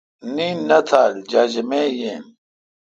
نین نہ تھال جاجمے یین۔